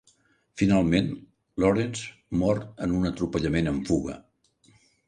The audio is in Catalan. Finalment, Lawrence mor en un atropellament amb fuga.